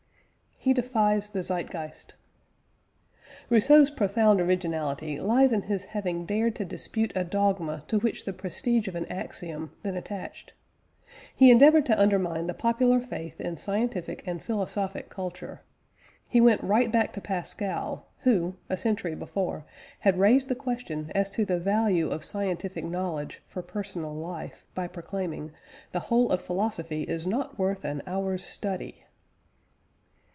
HE DEFIES THE ZEITGEIST. Rousseau's profound originality lies in his having dared to dispute a dogma to which the prestige of an axiom then attached. He endeavoured to undermine the popular faith in scientific and philosophic culture. He went right back to Pascal, who, a century before, had raised the question as to the value of scientific knowledge for personal life, by proclaiming "The whole of philosophy is not worth an hour's study."